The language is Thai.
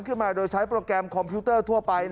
มาโดยใช้โปรแกรมคอมพิวเตอร์ทั่วไป